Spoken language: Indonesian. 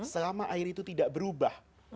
selama air itu tidak berubah